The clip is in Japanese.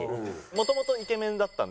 もともとイケメンだったんで。